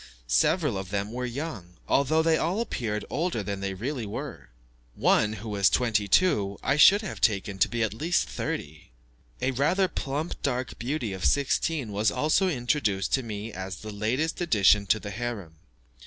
Several of them were young, although they all appeared older than they really were. One, who was twenty two, I should have taken to be at least thirty. A rather plump dark beauty of sixteen was also introduced to me as the latest addition to the harem.